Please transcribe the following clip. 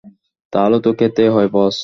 তাহলে তো খেতেই হয়, বস।